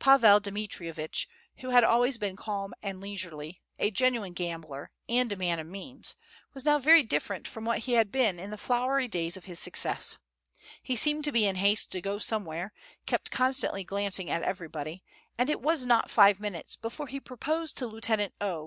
Pavel Dmitrievitch, who had always been calm and leisurely, a genuine gambler, and a man of means, was now very different from what he had been in the flowery days of his success; he seemed to be in haste to go somewhere, kept constantly glancing at everybody, and it was not five minutes before he proposed to Lieutenant O.